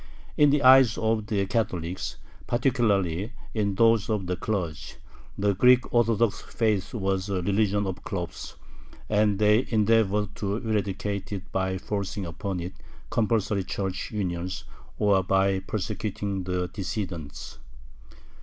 In the eyes of the Catholics, particularly in those of the clergy, the Greek Orthodox faith was a "religion of khlops," and they endeavored to eradicate it by forcing upon it compulsory church unions or by persecuting the "dissidents."